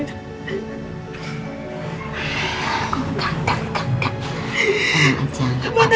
enggak enggak enggak